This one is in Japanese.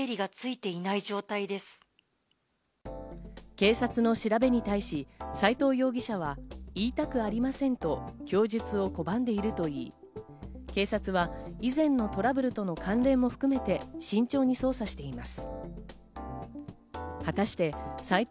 警察の調べに対し斎藤容疑者は言いたくありませんと供述を拒んでいるといい、警察は以前のトラブルとの関連も含めて慎重に捜査しています。